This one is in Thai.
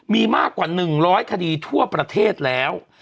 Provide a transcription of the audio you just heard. มีมากกว่า๑๐๐คดีทั่วประเทศแล้ว